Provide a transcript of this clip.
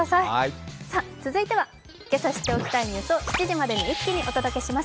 続いては、けさ知っておきたいニュースを一気にお届けします。